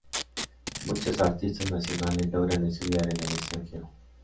Muchas artistas nacionales logran estudiar en el extranjero.